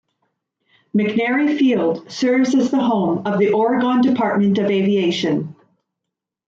McNary Field serves as the home of the Oregon Department of Aviation.